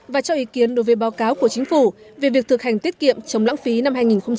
và cho ý kiến đối với báo cáo của chính phủ về việc thực hành tiết kiệm chống lãng phí năm hai nghìn hai mươi